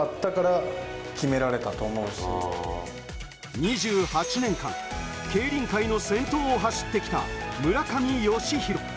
２８年間、競輪界の先頭を走ってきた村上義弘。